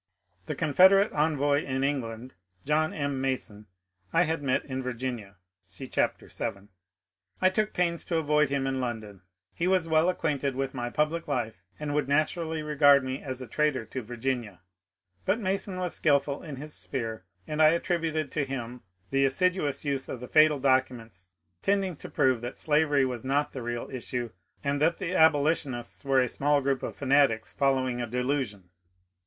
The Confederate envoy in England, John M. Mason, I had met in Virginia (see chapter vii). I took pains to avoid him in London ; he was well acquainted with my public life and would naturally regard me as a traitor to Virginia. But Mason was skilful in his sphere, and I attributed to him the assiduous use of the fatal documents tending to prove that slavery was not the real issue, and that the abolitionists were LINCOLN'S RESOLUTION 411 a small group of fanatics following a delusion.